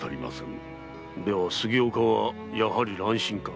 では杉岡はやはり乱心か。